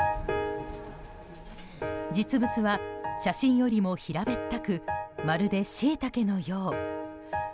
実物は写真よりも平べったくまるでシイタケのよう。